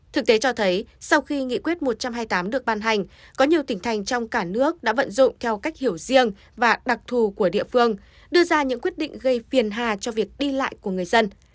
thực tế cho thấy sau khi nghị quyết một trăm hai mươi tám được ban hành có nhiều tỉnh thành trong cả nước đã vận dụng theo cách hiểu riêng và đặc thù của địa phương đưa ra những quyết định gây phiền hà cho việc đi lại của người dân